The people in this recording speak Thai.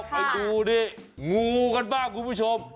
ไปดูนี่งูกันบ้างคุณผู้ชม